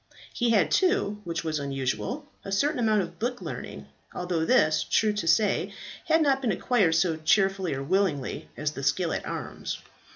He had too, which was unusual, a certain amount of book learning, although this, true to say, had not been acquired so cheerfully or willingly as the skill at arms.